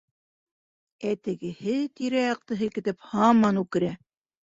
Ә тегеһе, тирә-яҡты һелкетеп һаман үкерә.